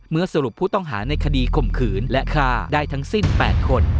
สรุปผู้ต้องหาในคดีข่มขืนและฆ่าได้ทั้งสิ้น๘คน